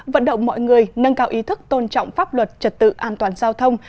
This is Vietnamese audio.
vận động mọi người nâng cao ý thức tôn trọng pháp luật trật tự an toàn giao thông